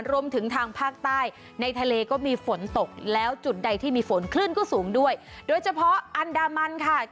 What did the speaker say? ทางภาคใต้ในทะเลก็มีฝนตกแล้วจุดใดที่มีฝนคลื่นก็สูงด้วยโดยเฉพาะอันดามันค่ะ